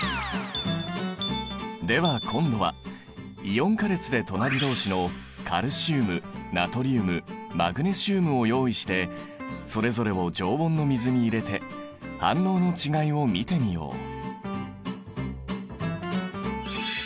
では今度はイオン化列で隣同士のカルシウムナトリウムマグネシウムを用意してそれぞれを常温の水に入れて反応の違いを見てみよう。